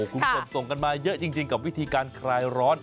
คุณผสมกันมาเยอะจริงกับวิธีคลายร้อน